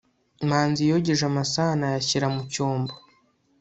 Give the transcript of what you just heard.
manzi yogeje amasahani ayashyira mu cyombo